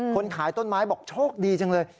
คนขายต้นไม้บอกโชคดีจังเลย